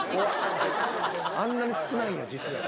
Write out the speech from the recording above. あんなに少ないんや、実は。